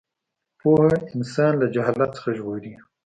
پوهه انسان له جهالت څخه ژغوري.